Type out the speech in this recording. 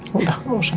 mudah kamu senang